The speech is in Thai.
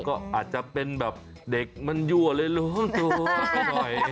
ก็อาจจะเป็นแบบเด็กมันยั่วเลยรู้ตัวไปหน่อย